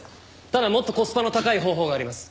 ただもっとコスパの高い方法があります。